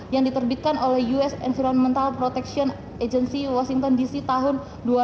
yang diterbitkan oleh us environmental protection agency washington dc tahun dua ribu dua puluh